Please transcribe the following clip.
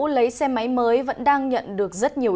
lấy xe máy mới vẫn đang nhận được rất nhiều